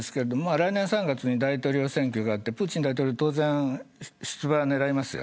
来年３月に大統領選挙があってプーチン大統領は当然、出馬を狙います。